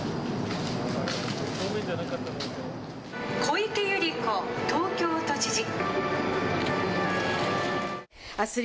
小池百合子東京都知事。